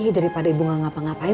dari pada ibu gak ngapa ngapain